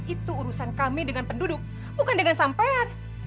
itu urusan kami dengan penduduk bukan dengan sampean